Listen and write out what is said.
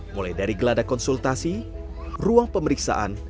mulai dari geladak konsultasi ruang pemeriksaan